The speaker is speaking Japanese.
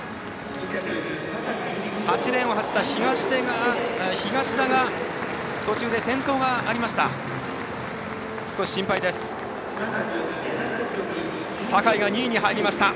８レーンを走った東田が途中で転倒がありました。